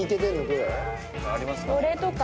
これとか。